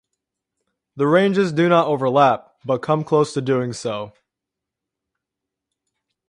The ranges do not overlap, but come close to doing so.